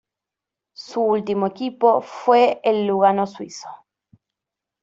Su último equipo fue el Lugano suizo.